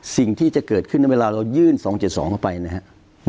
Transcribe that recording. สิ่งที่จะเกิดขึ้นในเวลาเรายื่น๒๗๒เข้าไปนะครับ